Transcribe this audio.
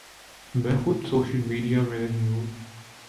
میں خود social media میں نہیں ہوں۔